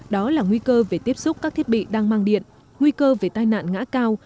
đó là nguy cơ về tiếp xúc các thiết bị đang mang điện nguy cơ về tai nạn ngã cao